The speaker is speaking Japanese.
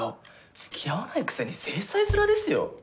つきあわないくせに正妻面ですよ？